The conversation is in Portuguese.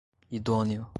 idôneo